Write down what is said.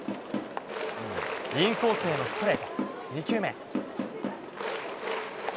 インコースへのストレート。